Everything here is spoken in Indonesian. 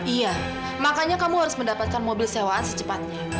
iya makanya kamu harus mendapatkan mobil sewaan secepatnya